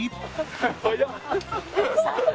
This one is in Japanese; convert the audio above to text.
早っ！